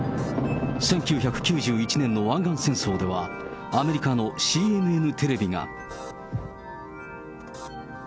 １９９１年の湾岸戦争では、アメリカのＣＮＮテレビが。